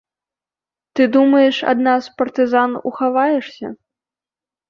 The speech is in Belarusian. Ты думаеш, ад нас, партызан, ухаваешся?